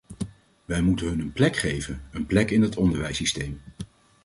Wij moeten hun een plek geven, een plek in het onderwijssysteem.